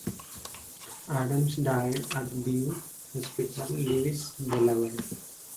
Adams died at the Beebe Hospital, Lewes, Delaware.